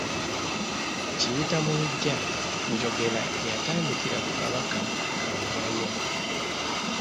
Kiyiyta mu luggya njogera eyatandikira ku Kabaka Kamaanya.